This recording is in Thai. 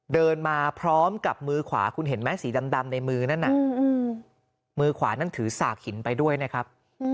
เดินมาพร้อมกับมือขวาคุณเห็นไหมสีดำในมือนั้นน่ะมือขวานั้นถือสากหินไปด้วยนะครับ